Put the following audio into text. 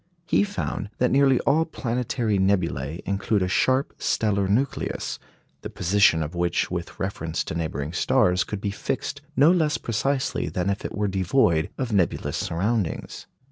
He found that nearly all planetary nebulæ include a sharp stellar nucleus, the position of which with reference to neighbouring stars could be fixed no less precisely than if it were devoid of nebulous surroundings.